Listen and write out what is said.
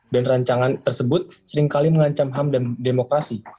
dan rancangan tersebut seringkali mengancam ham dan demokrasi